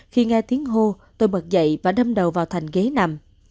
khi nghe tiếng hô tôi bật dậy và đâm đầu vào thành ghế nằm